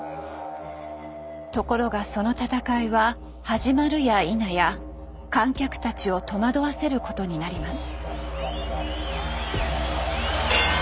ところがその戦いは始まるやいなや観客たちを戸惑わせることになります。